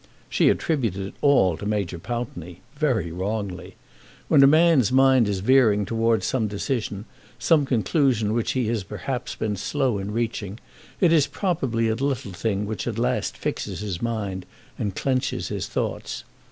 She attributed it all to Major Pountney; very wrongly. When a man's mind is veering towards some decision, some conclusion which he has been perhaps slow in reaching, it is probably a little thing which at last fixes his mind and clenches his thoughts.